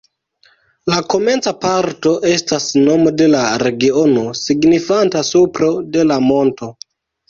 La komenca parto estas nomo de la regiono, signifanta supro de la monto.